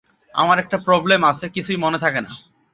আমার একটা প্রবলেম আছে, কিছুই মনে থাকে না।